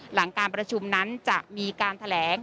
หลังการประชุมนั้นจะมีการแถลง